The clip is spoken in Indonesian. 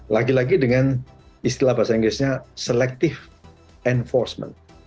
lagi lagi dengan istilah bahasa inggrisnya selective enforcement